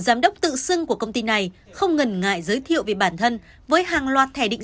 giám đốc tự xưng của công ty này không ngần ngại giới thiệu về bản thân với hàng loạt thẻ định